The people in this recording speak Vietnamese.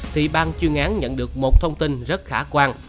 thì ban chuyên án nhận được một thông tin rất khả quan